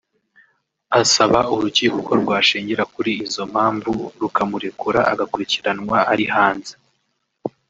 asaba urukiko ko rwashingira kuri izo mpamvu rukamurekura agakurikiranwa ari hanze